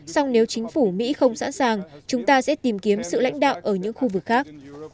song nếu chính phủ mỹ không sẵn sàng chúng ta sẽ tìm kiếm sự lãnh đạo ở những khu vực khác